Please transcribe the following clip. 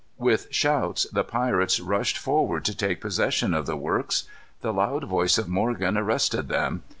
With shouts the pirates rushed forward to take possession of the works. The loud voice of Morgan arrested them.